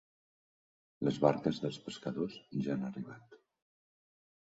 Les barques dels pescadors ja han arribat.